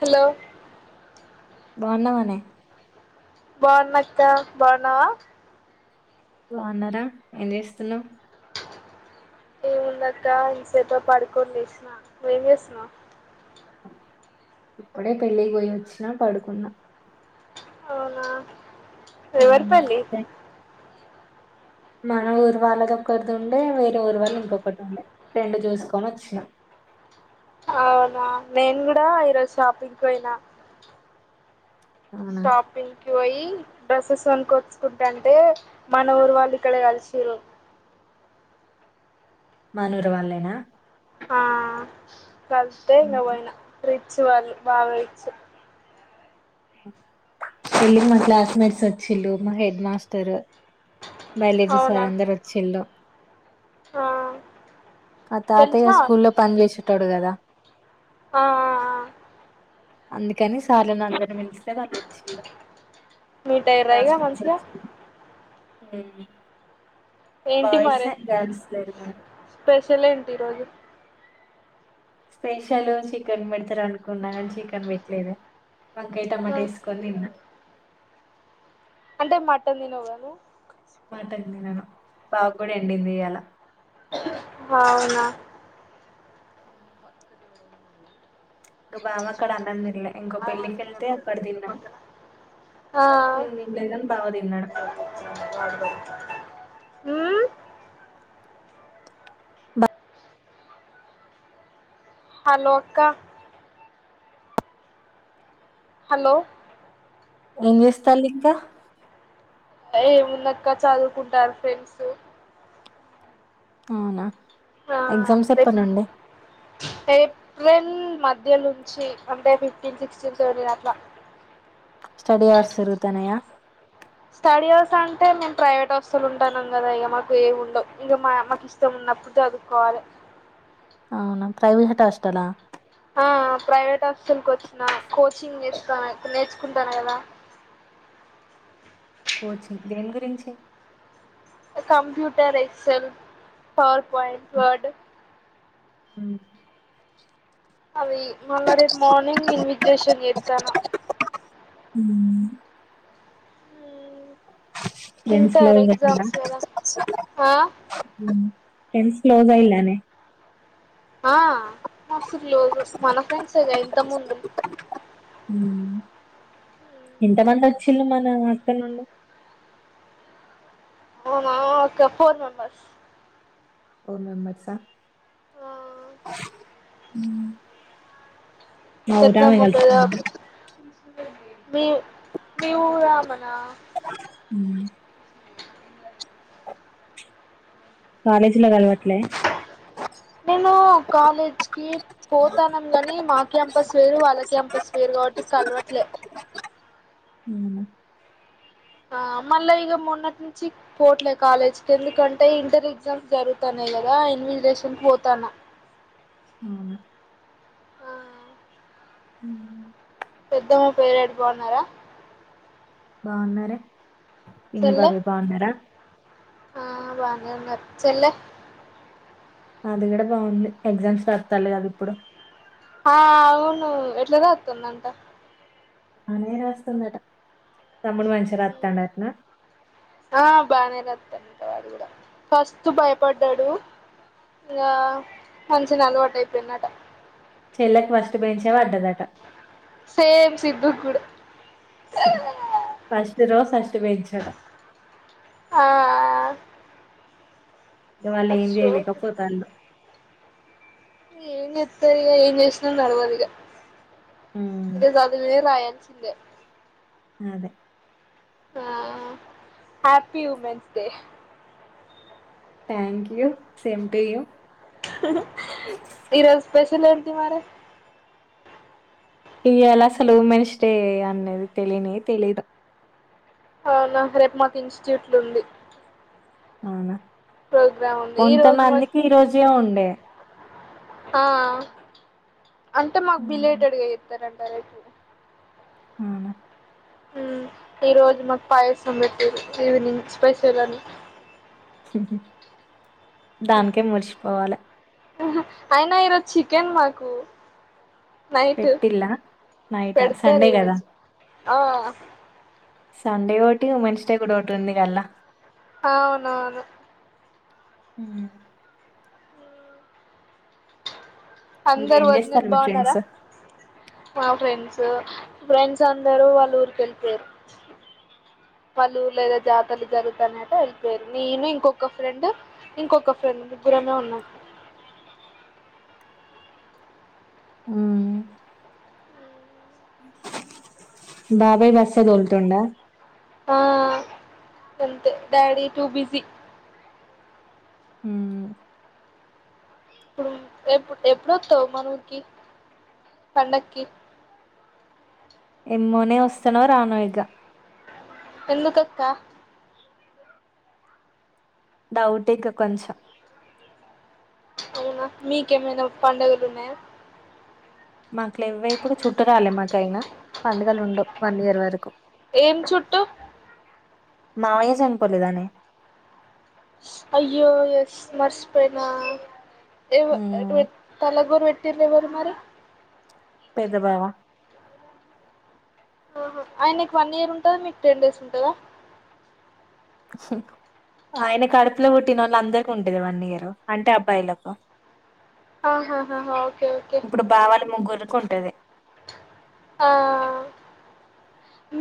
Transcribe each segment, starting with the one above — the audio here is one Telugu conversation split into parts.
హలో బాగున్నావానే బాగున్నాక్క బాగున్నావా బాన్నారా ఏం చేస్తున్నావ్ ఏముంది అక్కా ఇంతసేపా పడుకోని లేసిన నువ్వు ఏం చేస్తున్నావ్ ఇప్పుడే పెళ్ళి కి పోయిచ్చినా పడుకున్నా అవునా ఎవరి ఉమ్. పెళ్లి మన ఊర్ వాళ్ళది ఒకర్ది ఉండే వేరే ఊరు వాళ్ళు ఇంకొకటి ఉండే రెండు చూసుకొని వొచ్చినా అవునా నేను గుడా ఈరోజు షాపింగ్కి పోయినా అవునా షాపింగ్కి పోయి డ్రస్సెస్ కొనుకొచ్చుకుంటాంటే మన ఊరు వాళ్ళు ఇక్కడే కలిసిరు మనూరు వాళ్ళేనా ఆ కల్తే ఇంగ ఉమ్. పొయినా ప్రీత్ సువాళ్ళు బాగా పొయిచ్ ఇళ్లి మా క్లాస్మేట్స్ వొచ్చిల్లు మా హెడ్ మాస్టర్ బయలేజీ అవునా సారు అందరు వొచ్చిళ్ళు ఆ ఆ తాతయ్య తెలిసినా ఆ స్కూళ్లో పన్ జేసేటోడు కదా ఆ ఆ అందుకని స్ సార్లు నన్ను మిలిస్తే వాళ్ళు వొచ్చిళ్లు మీట్ మా అయ్యిర్రా ఇగ క్లాస్మేట్స్ మంచిగా వొచ్చిళ్లు ఉ ఏంటి బాయ్స్ మరి ఏ గర్ల్స్ లేరు గని స్పెషల్ ఏంటి ఈరోజు స్పెషల్ చికన్ పెడతరు అనుకున్నా చికన్ పెట్లేదు వంకాయ టమాటా ఆ ఏసుకొని తిన్న ట మటన్ తినవ్గా నువ్వు మటన్ తినను బావక్ కుడ ఎండింది ఇయాళ అవునా ఇంకా బావ అక్కడ అన్నం తినలే ఇంకో [inaudible] ఆ పెళ్ళికి మాత్రం వెళ్తే అక్కడ కనపడతలేదా తిన్నాం పక్కన నేను తినలేదు కానీ బావ తిన్నాడు ఊ హలో అక్క హలో ఏం జెస్తల్ ఇంక ఏ ఏముంది అక్క చదువుకుంటారు ఫ్రెండ్స్ అవునా ఆ ఎగ్జామ్స్ ఎప్పటి రెప్ నుండి ఏప్రిల్ మద్ ధ్య లుంచి అంటే ఫిఫ్టీన్ సిక్స్టీన్ సెవెంటీన్ అట్ల స్టడి అవర్స్ జరుగుతన్నాయా స్టడీ అవర్స్ అంటే మేము ప్రైవేట్ హాస్టల్ ఉంటన్నం కదా ఇగ మాకు ఏవ్ ఉండవ్ ఇంగ మా అమ్మ కి ఇష్టం ఉన్నప్పుడు చదువుకోవాలి అవునా ప్రైవ్హేట్ హాస్టలా ఆ ప్రైవేట్ హాస్టల్కి వొచ్చిన కోచింగ్ చేస్తా నేర్చుకుంటన్న గదా కోచింగ్ దేని గురించి కంప్యూటర్ ఎక్సెల్ పవర్ వైఫర్డ్ హు అవి మళ్ళ రేపు మార్నింగ్ ఇన్విజలేషన్ చేస్తాను ఉహు ఎమ్స్ ఇంటర్ లోన్ కట్టెల ఎగ్జామ్స్ కదా ఆ హు ఫ్రెండ్స్ లోగ్ అయిలనే ఆ మస్తు క్లోజ్ మన ఫ్రెండ్స్ ఏ గా ఇంత ముందు ఎంతమంది వచ్చిలు మన అక్కడి నుండి ఓ మామవో ఒక ఫోర్ మెంబర్స్ ఫోర్ మెంబెర్స్ ఆ హు పెద్దమ్మ పెద్దబాపు మీ మీ ఊరు ఆమెనా ఉహు బానే నేను కాలేజీకి పోతానం గాని మా క్యాంపస్ వేరు వాళ్ళ క్యాంపస్ వేరు కాబట్టి కల్వట్లే హు ఆ మళ్ళా ఇక మొన్నటి నుంచి పోట్లే కాలేజ్ కి ఎందుకంటే ఇంటర్ ఎగ్జామ్స్ జరుగుతానే కదా ఎనివెజిలేషన్ పోతానా అవునా ఆ పెద్దమ్మ పెద్ద డాడీ బాన్నారా బాగున్నారే పిన్ని బాబాయ్ బాగున్నారా ఆ బాగానే ఉన్నారు చెల్లె అది కూడ బాగుంది ఎగ్జామ్స్ రాస్తాలు కదా ఇప్పుడు ఆ అవును ఎట్ల రాతందంట బానే రాస్తుందట తమ్ముడు మంచిగా రాతండటన ఆ బానే రాత్తండట వాడు కూడా ఫస్ట్ భయపడ్డాడు ఇగా మంచిగానే అలవాటు అయిపోయిందట చెల్లకి ఫస్ట్ బెంచ్ పడ్డా సేమ్ సిద్ధు కూడు ఫస్ట్ రో ఫస్ట్ బెంచ్ ఆట ఆ ఇగ వాళ్ళు ఏం అస్సో చేయలేకపోతాలు ఏం చేస్తారు ఇగా ఏం చేసిన నడవదు ఇగా ఉమ్, ఈగ చదివే రాయాల్సింది ఇంగే అదే ఆ happy women's day thank you same to you ఈరోజు స్పె లేంటి మరె ఇయ్యాలా అసలు ఉమెన్స్ డే అనేది తెలియనే తెలీదు అవునా రేపు మాకు ఇన్స్టిట్యూట్లుంది అవునా ఈ రోజు కొంతమందికి మాకు ఈరోజే ఉండే ఆ అంటే మాకు బిలేటెడ్ గా చెత్తరండ్ తరేపు అవునా మ్మ్ ఈ రోజు మాకు పాయసం పెట్టిర్రీ ఈవినింగ్ స్పెషల్ అని హ దానికే మురిషిపోవాలె అయినా ఈరోజు చికెన్ మాకు నైట్ పెట్టిల్లా నైటా పెడతారు సండే గదా ఈరోజు ఆ సండే ఓటి ఉమెన్స్ డే కూడ ఓటుంది గల్ల అవునవును ఉమ్ అందరు ఇంకేం వదినలు చేస్తారు మీ బావున్నారా ఫ్రెండ్స్ మా ఫ్రెండ్ స్ ఫ్రెండ్స్ అందరూ వాళ్ళ ఊరికి వెళ్ళిపోయారు వాళ్ళ ఊర్లో ఏదో జాతరలు జరుగుతాంటే వెళ్ళిపోయారు నేను ఇంకొక ఫ్రెండ్ ఇంకొక ఫ్రెండ్ ముగ్గురమే ఉన్నాం ఉమ్మ్ బాబాయి బస్సే తోలుతుండా ఆ గంతే డాడీ టూ బిజీ ప్పుడు ఎప్పు ఎప్పుడొత్తావు మనూరికి పండకి మ్మోనే వస్తానో రానో ఇగ ఎందుకక్క డౌట్ ఇక కొంచెం అవునా మీకేమైనా పండగలున్నాయా మాకు లెవ్వే ఇప్పుడు చుట్టరాలే మాకయినా పండగలుండవు వన్ ఇయర్ వరకు ఏం చుట్టు మావయ్య చనిపోలేదానే అయ్యో ఎస్ మర్సిపోయినా ఏవ్వో ఉమ్. [unintelligible] తలగొరు వెట్ ట్టిర్రెవరు మరి పెద్ద బావ ఆహ ఆయనకు వన్ ఇయర్ ఉంటంది మీకు టెన్ డేస్ ఉంటదా ఆయినా కడుపులో పుట్టినోళ్ళు అందరికి ఉంటది వన్ ఇయర్ అంటే అబ్బాయిలకు ఆహాహా ఓకే ఓకే కుంటది ఆ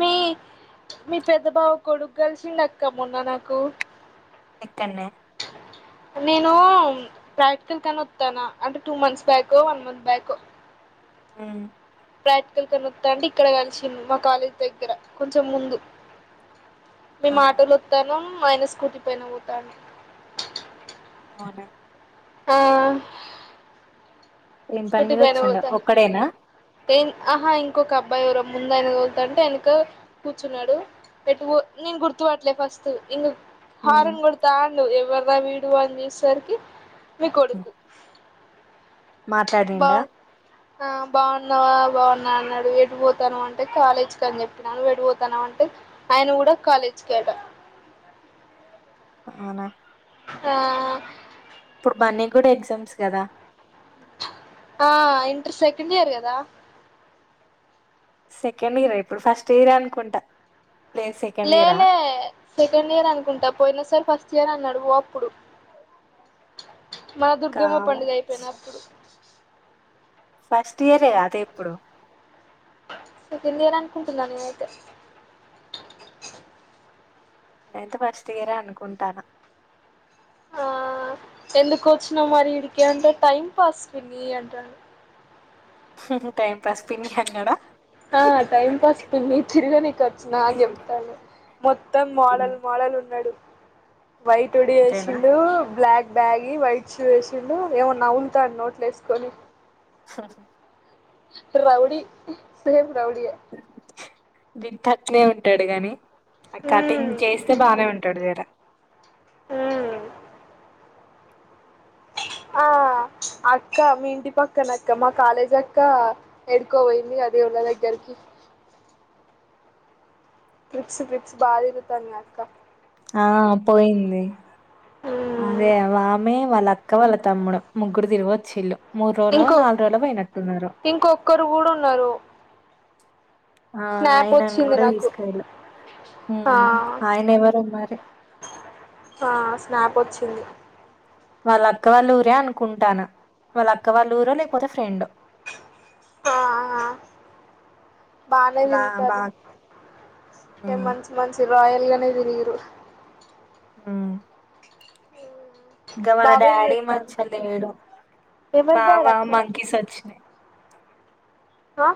మీ మీ పెద్ద బావ కొడుకు కలిసిండ్ అక్కా మొన్న నాకు ఇక్కడ్నే నే ప్రాక్టికల్ కనే వత్తనా అంటే two months back one month back ఆ ప్రాక్టికల్ కని వత్తంటే ఇక్కడ కలిసింది మా కాలేజ్ దగ్గర కొంచెం ముందు మేం ఆ ఆటో లో వత్తానం ఆయన స్కూటీ పైన పోతాడు అవునా హా ఏం పని స్కూటీ మీద పైన వచ్చిండో పోతాను ఒక్కడేనా ఆహా ఇంకొక అబ్బాయి ఎరో ముందరి బోతంటే వెనక కూర్చున్నాడు ఎటు బోత్ నేన్ గుర్తు పట్టలే ఫస్ట్ ఉమ్. హారన్ కొడతా ఉండు ఎవర్రా వీడు వ సార్కి మీ కొడ మాట్లాడిండ ఆ బాగున్నావా బాగున్నా అన్నాడు విడిపోతాను అంటే కాలేజీకి అని చెప్పినాను విడిపోతాను అంటే ఆయన కూడా కాలేజ్కిడా అవునా హా ఇప్పుడు మన్నీ కూడా ఎగ్జామ్స్ కదా ఆ ఇంటర్ సెకండ్ ఇయర్ కదా సెకండ్ ఇయర్ ఇప్పుడు ఫస్ట్ ఇయర్ అనుకుంటా లేదు సెకండ్ ఇయరా లేలే సెకండ్ ఇయర్ అనుకుంటా పోయినా సరే ఫస్ట్ చేర అన్నాడు ఓ అప్పుడు మన దుర్గమ్మ పండుగ అయిపోయిన కావచ్చు అప్పుడు ఫస్ట్ ఇయరే అదే ఇప్పుడు సకంది అని అనుకుంటున్నా నేనైతే నేనంత ఫస్గరే అనుకుంటాను ఆ ఎందుకోచ్చిన మరి ఇడికేంట టైం పాస్ పినీ ఆన్టను హా టైం పాస్ పిని అంగడా ప తిరిగా న క అని చెప్తాను మొత్తం ఉమ్, మోడల్ మోడల్ ఉన్నాడు వైట్ ఉడిసి అంతేనా బ్లక్ బ్యాగి వైట్ వేసింలు ఏమన్నా న్లుతాను నోట్లు వేసుకొని హహ రౌడీ సేమ్ రౌడీయే దింతక్నే ఉంటాడు గాని కటింగ్ మ్మ్ చేస్తే బానే ఉంటాడు జర్ర మ్మ్ ఆ అక్క మీ ఇంటి పక్కన అక్క, మా కాలేజ్ అక్క, ఎడుకోబోయింది అదే వాళ్ళ దగ్గరికి ట్రిప్స్ ట్రిప్స్ బా తిరుగుతాందక్క ఆ పోయింది మ్మ్ అదే ఆమె వాళ్ళ అక్కవాళ్ళ తమ్ముడు ముగ్గురు తిరుగొచ్చిల్లు ఇంకో ఇంకొక్కరు కూడా ఉన్నారు ఆ స్నాప్ ఆయనని వచ్చింది కూడా నాకు తీసుకెవెళ్ళ ఆ మ్ ఆయన ఎవరో మరి ఇల్ వాళ్ళ అక్క వాళ్ళ ఊరే అనుకుంటానా వాళ్ళ అక్క వాళ్ళ ఊరో లేకపోతే ఫ్రెండో ఆ ఆ ఆ బానే బా బా తింటారు ఉమ్, మంచి మంచి రాయల్గానే దిరిగిరు మ్మ్ ఇంకా వాళ్ళ బావ ఏం డాడీ చేత్తాండు మాచ్చెల్లి పొయిరు ఎవరి డాడ్ అక్క మంకిీస్ ఒచ్చినయి ఆ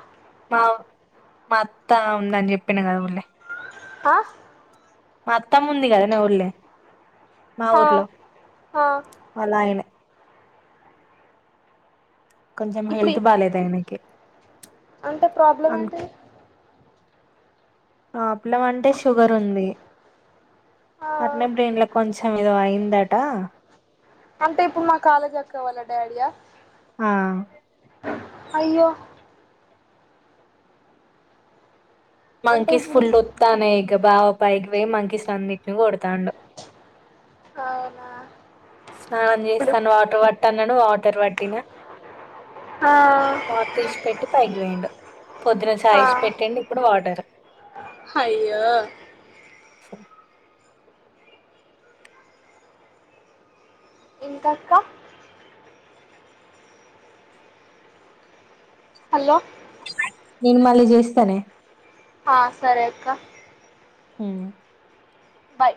మా మా అత్తా ఉందని చెప్పిన కదా మొ ఆ మా అత్తమ ఉంది కదనే ఊళ్ళె మా ఆ ఊర్లో ఆ వాళ్ళ ఆయన కొంచెం ఇప్పుడు హెల్త్ బాలేదు ఆయనకి అంటే ప్రాబ్లం అంత ఏంటిది? ప్రాబ్లం అంటే షుగర్ ఉంది ఆ అట్లె బ్రెయిన్ లో కొంచెం ఏదో అయింద ట్ట అంటే ఇప్పుడు మా కాలేజ్ అక్కవాల డాడియా ఆ అయ్యో అంటే మంకీస్ ఇప్పుడు ఫుల్ ఒతాన్నాయ్ ఇగ బావ పైకి వే మంకీస్ నన్నీటీని కొడ అవునా స్నానం ఇప్పుడు చేస్తాన వాటర్ పట్టనడు వాటర్ పట్టినా ఆ వాటర్ ఇసిపెట్టి పైకిపోయిండు. పొద్దున ఆ చాయ్ ఇసిపెట్టిండు ఇప్పుడు వాటర్. అయ్యో స ఇంకా అక్క హలో నేను మళ్ళీ చేస్తానే ఆ సరే అక్క అ బాయ్